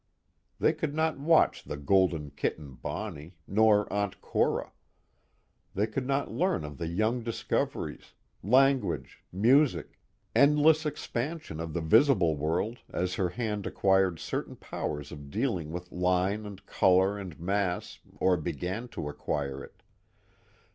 They could not watch the golden kitten Bonnie, nor Aunt Cora. They could not learn of the young discoveries: language, music; endless expansion of the visible world as her hand acquired certain powers of dealing with line and color and mass or began to acquire it.